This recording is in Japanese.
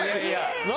何？